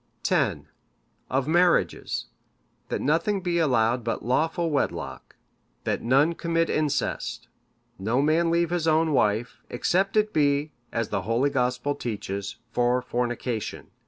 (569) "X. Of marriages; that nothing be allowed but lawful wedlock; that none commit incest; no man leave his own wife, except it be, as the holy Gospel teaches, for fornication.